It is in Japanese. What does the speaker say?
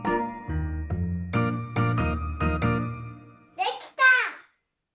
できた！